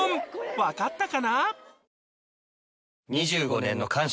わかったかな？